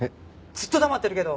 ずっと黙ってるけど。